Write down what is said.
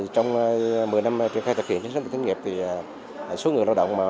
trong một mươi năm triển khai thực hiện chính sách bảo hiểm thất nghiệp thì số người lao động